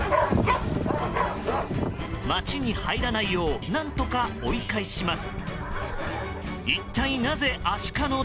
街に入らないよう何とか追い返します。